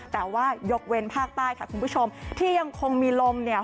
แต่ว่ายกเว้นภาคใต้ค่ะคุณผู้ชมที่ยังคงมีลมเนี่ย